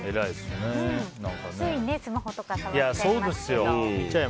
ついスマホとか触っちゃいますけど。